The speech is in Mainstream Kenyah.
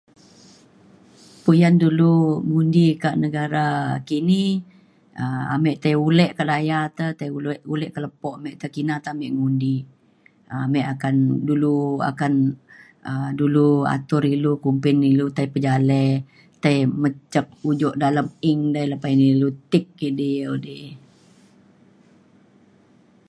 puyan dulu ngundi kak negara kini um ame tai ulek kadaya te tai ulek ulek ke lepo me tai kina ta ame mengundi. um ame akan dulu akan um dulu atur ilu kumbin ilu tai pejalek tai mejek ujok dalem ink da lepa ina ilu tick kidi o di